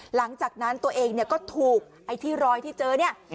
หลังจากนั้นตัวเองก็ถูกไอที่รอยที่เจอนี่